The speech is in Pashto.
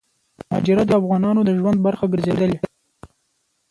مهاجرت دافغانانو دژوند برخه ګرځيدلې